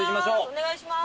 お願いします。